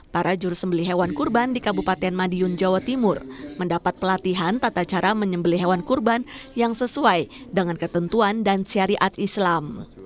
para jurusembeli hewan kurban di kabupaten madiun jawa timur mendapat pelatihan tata cara menyembeli hewan kurban yang sesuai dengan ketentuan dan syariat islam